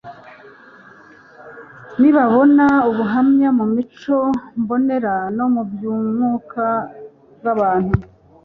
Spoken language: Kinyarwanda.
Nibabona ubuhanya mu mico mbonera no mu byumwuka bwabantu